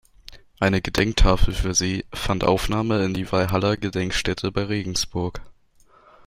Eine Gedenktafel für sie fand Aufnahme in die Walhalla-Gedenkstätte bei Regensburg.